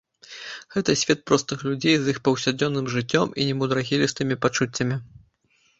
Гэта свет простых людзей з іх паўсядзённым жыццём і немудрагелістымі пачуццямі.